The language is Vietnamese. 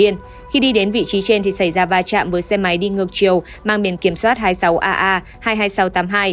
khi đi đến vị trí trên thì xảy ra va chạm với xe máy đi ngược chiều mang biển kiểm soát hai mươi sáu aa hai mươi hai nghìn sáu trăm tám mươi hai